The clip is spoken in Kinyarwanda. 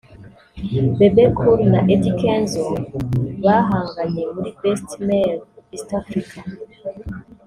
Bebe Cool na Eddy Kenzo bahanganye muri Best Male East Africa